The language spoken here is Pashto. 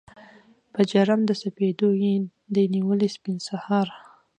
په جرم د سپېدو یې دي نیولي سپین سهار